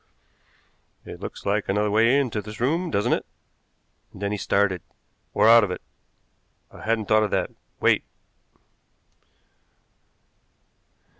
"It looks like another way into this room, doesn't it" and then he started "or out of it. I hadn't thought of that. Wait."